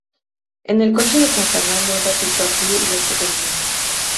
En el coche de San Fernando, un ratito a pie y otro caminando